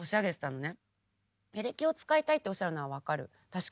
エレキを使いたいっておっしゃるのは分かる確かに。